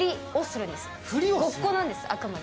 ごっこなんです、あくまで。